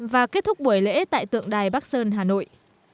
và kết thúc buổi lễ tại tượng đài bắc sơn hà nội